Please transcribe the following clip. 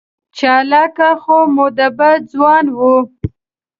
چالاکه خو مودبه ځوان و.